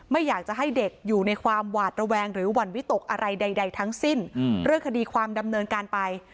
ไม่อยากจะให้เด็กอยู่ในความหวาดระแวงหรือหวั่นวิตกอะไรใดทั้งสิ้นเรื่องคดีความดำเนินการไป